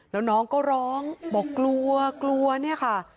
แล้วน้องก็ร้องบอกกลัวกลัวเนี่ยค่ะ